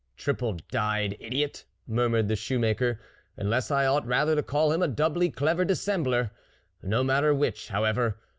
"Triple dyed idiot !" murmured the shoemaker, " unless I ought rather to call him a doubly clever dissembler. ... No matter which, however